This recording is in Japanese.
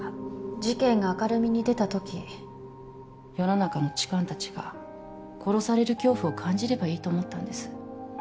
事件が明るみに出た時世の中の痴漢たちが殺される恐怖を感じればいいと思ったんです